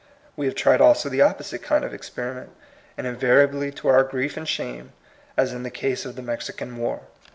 We have tried also the opposite kind of experiment, and invariably to our grief and shame, as in the case of the Mexi can War.